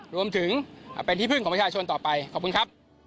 รวมถึงเป็นที่พึ่งของประชาชนต่อไปขอบคุณครับ